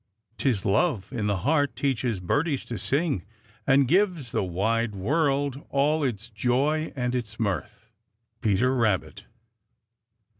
'Tis love in the heart teaches birdies to sing, And gives the wide world all its joy and its mirth. Peter Rabbit.